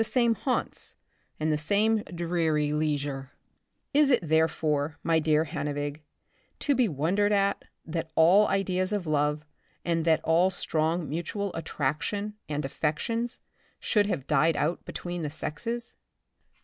same haunts and the same dreary leisure. The Republic of the Future, 41 Is it therefore, my dear Hannevig, to be won dered at, that all ideas of love, and that all strong mutual attraction and affections should have died out between the sexes